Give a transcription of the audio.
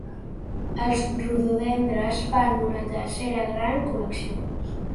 Els rododendres fan una tercera gran col·lecció.